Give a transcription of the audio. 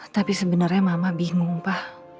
tapi sebenarnya mama bingung pak